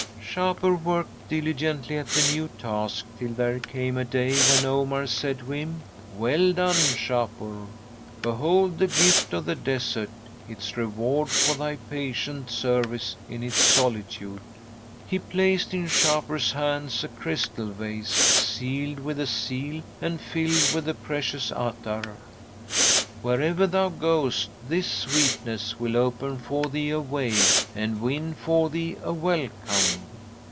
"'Shapur worked diligently at the new task till there came a day when Omar said to him: "Well done, Shapur! Behold the gift of the desert, its reward for thy patient service in its solitude!" "'He placed in Shapur's hands a crystal vase, sealed with a seal and filled with the precious attar. "'"Wherever thou goest this sweetness will open for thee a way and win for thee a welcome.